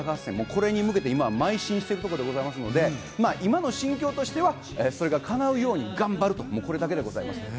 これに向けてまい進しているところでございますので、今の心境としてはそれが叶うように頑張る、これだけでございます。